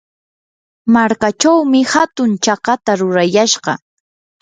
markachawmi hatun chakata rurayashqa.